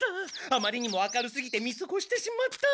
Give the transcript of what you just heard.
あまりにも明るすぎて見すごしてしまった！